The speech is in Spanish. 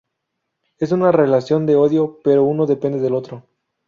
Es una relación de odio, pero uno depende del otro.